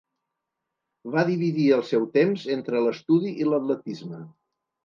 Va dividir el seu temps entre l'estudi i l'atletisme.